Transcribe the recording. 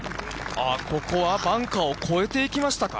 ここはバンカーを越えていきましたか？